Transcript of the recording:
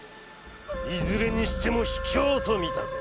いずれにしても卑怯と見たぞ。